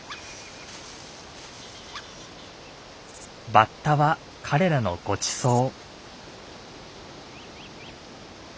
バッタは彼らのごちそう。